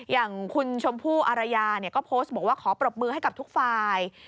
อย่างคุณชมพู่อารยาก็โพสต์บอกว่าขอปรบมือให้กับทุกฝ่าย